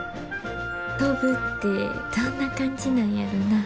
飛ぶってどんな感じなんやろな。